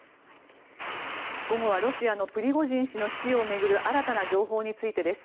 午後はロシアのプリゴジン氏の死を巡る新たな情報についてです。